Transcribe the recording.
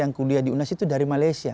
yang kuliah di unes itu dari malaysia